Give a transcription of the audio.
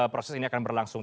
proses ini akan berlangsung